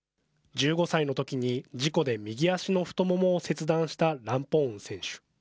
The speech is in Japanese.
１５歳のときに、事故で右足の太ももを切断したランポーン選手。